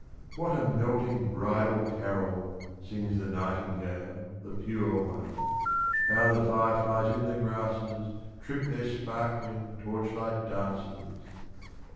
What a melting bridal carol, Sings the nightingale, the pure one! How the fire flies in the grasses Trip their sparkling, torch light dances!